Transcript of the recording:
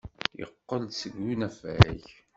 Yeqqel-d seg unafag.